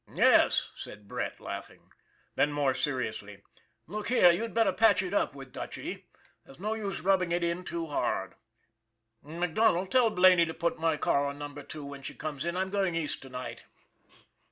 "Yes," said Brett, laughing. Then, more seri ously :" Look here, you'd better patch it up with Dutchy. There's no use rubbing it in too hard. MacDonald, tell Blaney to put my car on Number Two when she comes in. I'm going east to night."